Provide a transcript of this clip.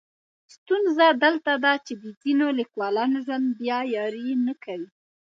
ستونزه دلته ده چې د ځینو لیکولانو ژوند بیا یاري نه کوي.